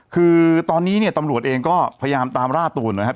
คือตอนนี้เนี่ยตำรวจเองก็พยายามตามล่าตัวนะครับ